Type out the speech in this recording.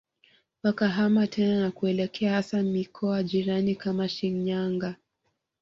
wakahama tena na kuelekea hasa mikoa jirani kama Shinyanga